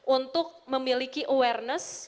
untuk memiliki awareness